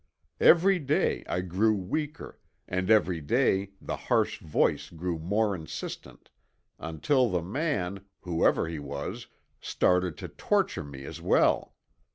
Every day I grew weaker and every day the harsh voice grew more insistent, until the man, whoever he was, started to torture me as well.